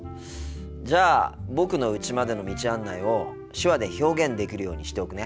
じゃあ僕のうちまでの道案内を手話で表現できるようにしておくね。